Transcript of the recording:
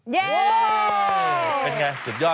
เย้เป็นไงสุดยอดเลยไหม